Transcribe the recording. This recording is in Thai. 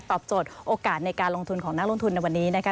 โจทย์โอกาสในการลงทุนของนักลงทุนในวันนี้นะคะ